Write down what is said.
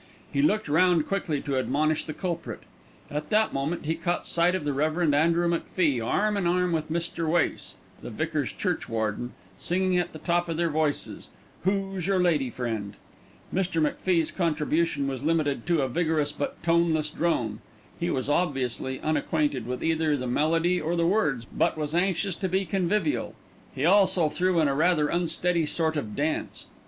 He looked round quickly to admonish the culprit. At that moment he caught sight of the Rev. Andrew McFie arm in arm with Mr. Wace, the vicar's churchwarden, singing at the top of their voices, "Who's your Lady Friend?" Mr. McFie's contribution was limited to a vigorous but tuneless drone. He was obviously unacquainted with either the melody or the words, but was anxious to be convivial. He also threw in a rather unsteady sort of dance.